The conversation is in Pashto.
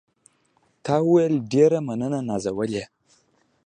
تا وویل: ډېره مننه نازولې.